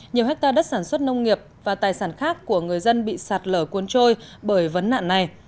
nhiều hectare đất sản xuất nông nghiệp và tài sản khác của người dân bị sạt lở cuốn trôi bởi vấn nạn này